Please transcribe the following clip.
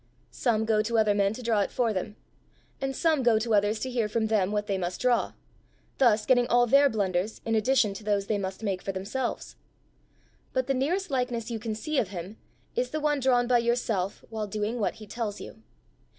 "Some go to other men to draw it for them; and some go to others to hear from them what they must draw thus getting all their blunders in addition to those they must make for themselves. But the nearest likeness you can see of him, is the one drawn by yourself while doing what he tells you.